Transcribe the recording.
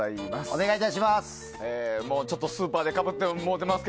お願いいたします。